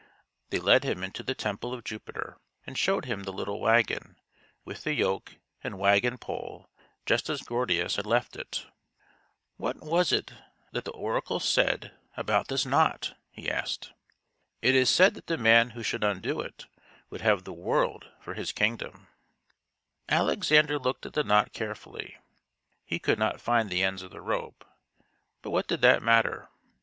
They led him into the temple of Jupiter and showed him the little wagon, with the yoke and wagon pole just as Gordius had left it. " What was it that the oracle said about this knot }" he asked. ' It is thus that I cut all Gordian knots.' " 94 THIRTY MORE FAMOUS STORIES " It said that the man who should undo it would have the world for his kingdom." Alexander looked at the knot carefully. He could not find the ends of the rope; but what did that matter?